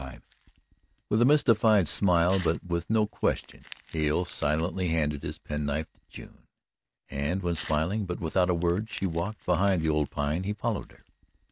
XXXV With a mystified smile but with no question, Hale silently handed his penknife to June and when, smiling but without a word, she walked behind the old Pine, he followed her.